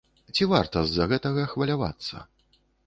Ці варта з-за гэтага хвалявацца?